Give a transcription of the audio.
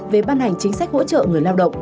về ban hành chính sách hỗ trợ người lao động